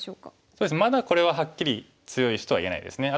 そうですねまだこれははっきり強い石とは言えないですね。